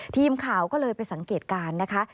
ทีมข่าวก็เลยไปสังเกตการณ์นะคะ